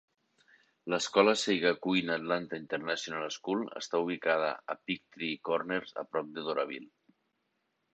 L'escola Seigakuin Atlanta International School està ubicada a Peachtree Corners, a prop de Doraville.